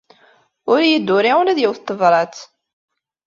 Ur iyi-d-turi ula d yiwet n tebṛat.